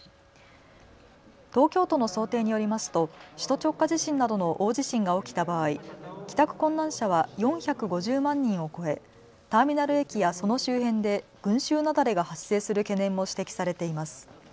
東京都の想定によりますと首都直下地震などの大地震が起きた場合、帰宅困難者は４５０万人を超えターミナル駅やその周辺で群集雪崩が発生する懸念も指摘されています。